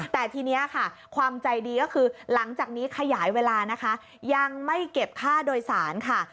แต่ทีนี้ค่ะความใจดีก็คือหลังจากนี้ขยายเวลานะคะยังไม่เก็บค่าโดยสารค่ะ